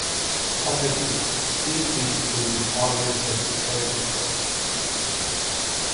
Obviously, free field theories always satisfy this property.